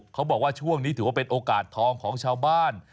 เขาบอกว่าช่วงนี้ถือว่าเป็นโอกาสทองของชาวบ้าน